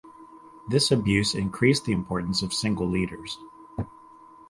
This abuse increased the importance of single leaders.